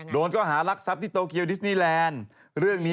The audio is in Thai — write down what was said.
โดนหารักษัพที่โตเกียวดิสนีแลนด์